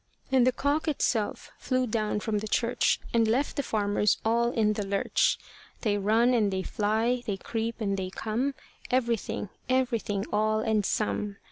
And the cock itself flew down from the church, And left the farmers all in the lurch. They run and they fly, they creep and they come, Everything, everything, all and some.